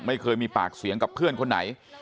ไม่เคยมีปากเสียงกับเพื่อนคนไหน